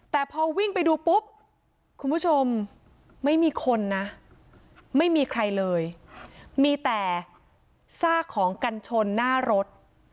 แต่พอวิ่งไปดูปุ๊บคุณผู้ชมไม่มีคนนะไม่มีใครเลยมีแต่ซากของกันชนหน้ารถ